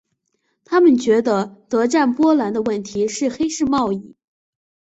他们觉得德占波兰的问题是黑市贸易。